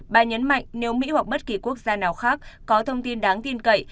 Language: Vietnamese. bà nhấn mạnh nếu mỹ hoặc bất kỳ quốc gia nào khác có thông tin đáng tin cậy